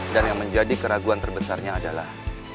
dan yang menjadi keraguan terbesarnya adalah